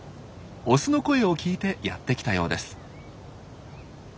オスの声を聞いてやって来たようです。